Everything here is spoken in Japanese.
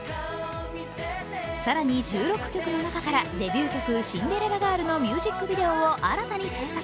更に、収録曲の中からデビュー曲「シンデレラガール」のミュージックビデオを新たに制作。